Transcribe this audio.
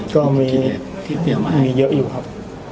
ก็มีเยอะอยู่ครับ